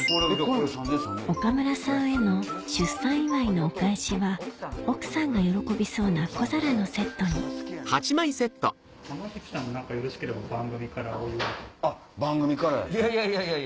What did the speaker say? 岡村さんへの出産祝いのお返しは奥さんが喜びそうな小皿のセットにあっ番組からや。